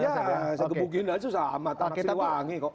ya mungkin aja sama anak siriwangi kok